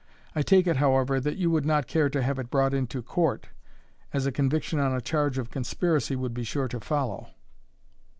I take it, however, that you would not care to have it brought into court, as a conviction on a charge of conspiracy would be sure to follow.